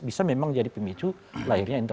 bisa memang jadi pemicu lahirnya interne